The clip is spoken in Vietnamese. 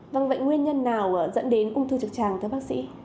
vâng vậy nguyên nhân nào dẫn đến ung thư trực tràng thưa bác sĩ